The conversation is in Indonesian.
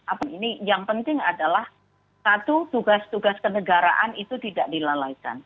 apa ini yang penting adalah satu tugas tugas kenegaraan itu tidak dilalaikan